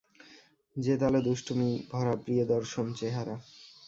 জেদালো দুষ্টুমি-ভরা প্রিয়দর্শন চেহারা।